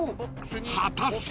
果たして！？］